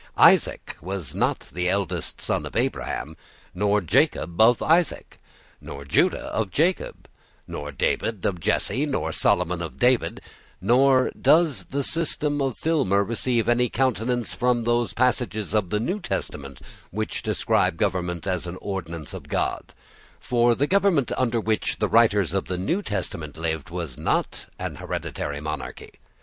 Isaac was not the eldest son of Abraham, nor Jacob of Isaac, nor Judah of Jacob, nor David of Jesse nor Solomon of David Nor does the system of Filmer receive any countenance from those passages of the New Testament which describe government as an ordinance of God: for the government under which the writers of the New Testament lived was not a hereditary monarchy.